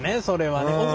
それはね。